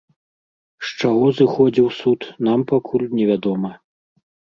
З чаго зыходзіў суд, нам пакуль невядома.